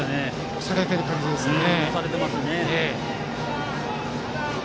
押されている感じですね。